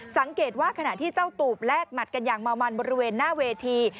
สังเกตว่าขณะที่เจ้าตูบแลกหมัดกันอย่างเมามันบริเวณหน้าเวที